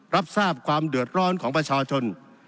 รับทราบความเดือดร้อนของประชาชน